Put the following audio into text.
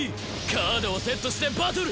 カードをセットしてバトル！